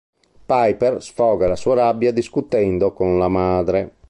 Piper sfoga la sua rabbia discutendo con la madre.